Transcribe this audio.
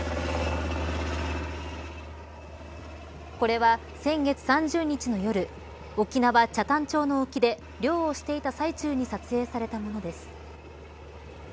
これは先月３０日の夜沖縄、北谷町の沖で漁をしていた際中に撮影されたものです。